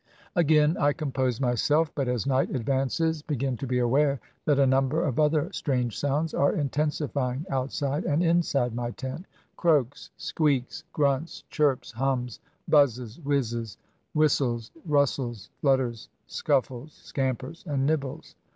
Again I compose myself, but as night advances begin to be aware that a number of other strange sounds are intensifying, outside and inside my tent — croaks squeaks, grunts, chirps, hums, buzzes, whizzes, whis tles, rustles, flutters, scuffles, scampers, and nibbles.